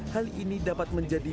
hal ini dapat menjadi